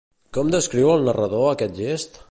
Com descriu el narrador aquest gest?